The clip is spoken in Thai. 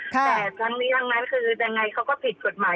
แต่ทั้งนี้ยังไงคือแต่ยังไงเขาก็ผิดส่วนหมาย